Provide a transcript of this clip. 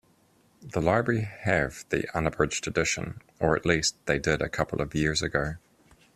The library have the unabridged edition, or at least they did a couple of years ago.